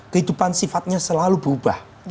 kehidupan sifatnya selalu berubah